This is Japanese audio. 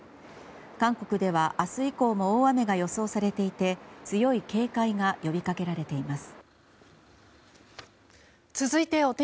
韓国では明日以降も大雨が予想されていて強い警戒が呼びかけられています。